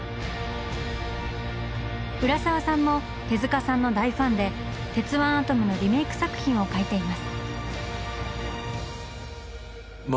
浦沢さんも手さんの大ファンで「鉄腕アトム」のリメイク作品を描いています。